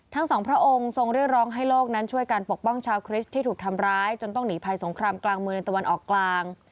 ทั้งสองพระองค์ทรงเรียกร้องให้โลกนั้นช่วยกันปกป้องชาวคริสต์ที่ถูกทำร้ายจนต้องหนีภัยสงครามกลางเมืองในตะวันออกกลาง